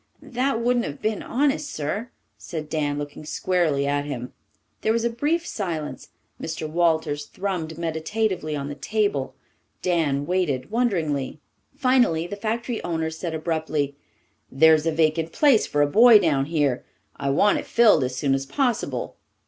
"That wouldn't have been honest, sir," said Dan, looking squarely at him. There was a brief silence. Mr. Walters thrummed meditatively on the table. Dan waited wonderingly. Finally the factory owner said abruptly, "There's a vacant place for a boy down here. I want it filled as soon as possible.